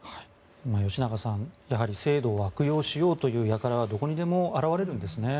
吉永さん、やはり制度を悪用しようというやからはどこにでも現れるんですね。